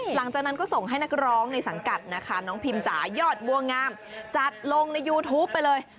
หลังจากนั้นก็ส่งให้นักร้องในสังกัดนะคะน้องพิมจ่ายอดบัวงามจัดลงในยูทูปไปเลย